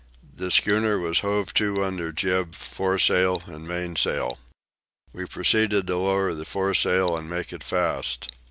The schooner was hove to under jib, foresail, and mainsail. We proceeded to lower the foresail and make it fast.